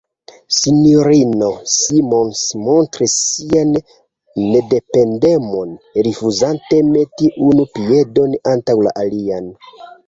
S-ino Simons montris sian nedependemon, rifuzante meti unu piedon antaŭ la alian.